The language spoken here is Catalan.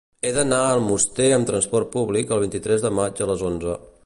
He d'anar a Almoster amb trasport públic el vint-i-tres de maig a les onze.